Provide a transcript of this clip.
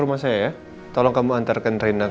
apa yang kamu pikirin